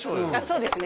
そうですね